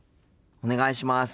お願いします。